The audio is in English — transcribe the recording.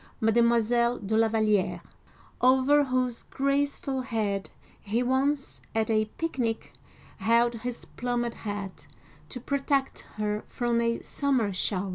Mademoiselle de La Valliere (mad mwa zSl' de la va ly^r'), over whose graceful head he once, at a picnic, held his plumed hat to protect her from a summer shower.